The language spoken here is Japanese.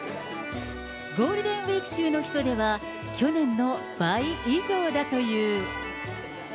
ゴールデンウィーク中の人出は去年の倍以上だという。